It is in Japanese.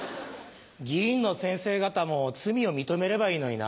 議員の先生方も罪を認めればいいのにな。